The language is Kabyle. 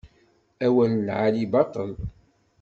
Awal n lɛali baṭel.